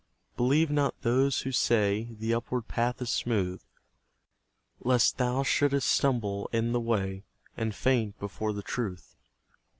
Believe not those who say The upward path is smooth, Lest thou shouldst stumble in the way, And faint before the truth.